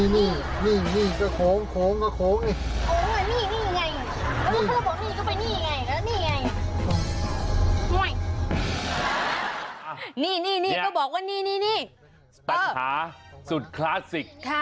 นี่นี่นี่ก็บอกว่านี่นี่ปัญหาสุดคลาสสิค